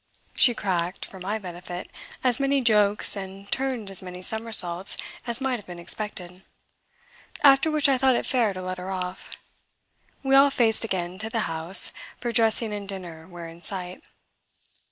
She cracked, for my benefit, as many jokes and turned as many somersaults as might have been expected; after which I thought it fair to let her off. We all faced again to the house, for dressing and dinner were in sight.